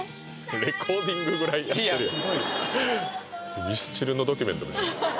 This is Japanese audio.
レコーディングぐらいやってるやん